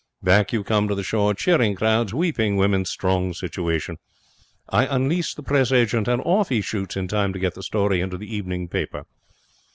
Back you come to the shore. Cheering crowds. Weeping women. Strong situation. I unleash the Press agent, and off he shoots, in time to get the story into the evening paper.